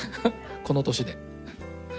この年で。